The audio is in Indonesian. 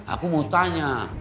aku mau tanya